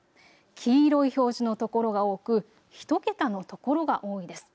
黄色い表示の所が多く、１桁の所が多いです。